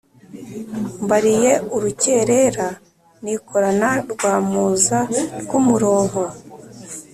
mbariye urukerera nikorana rwamuza rw'umuronko,